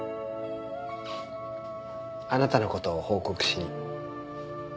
あなたの事を報告しに。